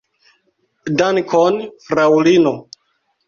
Dankon, fraŭlino.